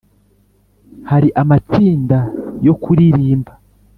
hari amatsinda yo kuririmba,